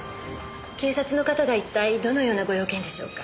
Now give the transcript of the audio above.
警察の方が一体どのようなご用件でしょうか？